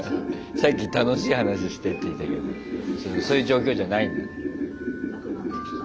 さっき「楽しい話して」って言ったけどそういう状況じゃないんだ。